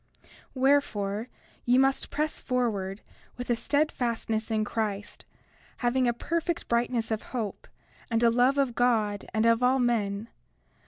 31:20 Wherefore, ye must press forward with a steadfastness in Christ, having a perfect brightness of hope, and a love of God and of all men.